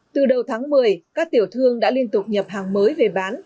từ đầu tháng một mươi các tiểu thương đã liên tục nhập hàng mới về bán